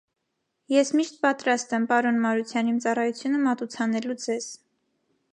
- Ես միշտ պատրաստ եմ, պարոն Մարության, իմ ծառայությունը մատուցանելու ձեզ: